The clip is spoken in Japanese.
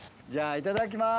いただきます。